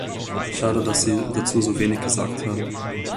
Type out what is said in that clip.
Schade, dass Sie dazu so wenig gesagt haben.